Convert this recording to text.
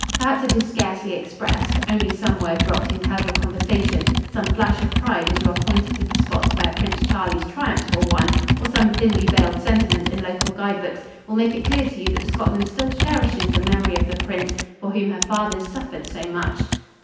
Perhaps it is scarcely expressed only some word dropped in casual conversation, some flash of pride as you are pointed to the spots where Prince Charlie's triumphs were won, or some thinly veiled sentiment in local guide books will make it clear to you that Scotland still cherishes the memory of the prince for whom her fathers suffered so much.